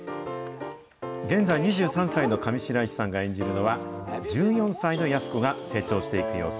現在２３歳の上白石さんが演じるのは、１４歳の安子が成長していく様子。